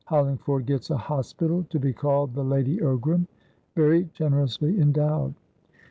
Hollingford gets a hospital, to be called the Lady Ogram; very generously endowed.